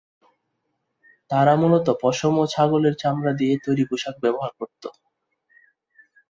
তারা মূলত পশম ও ছাগলের চামড়া দিয়ে তৈরি পোশাক ব্যবহার করত।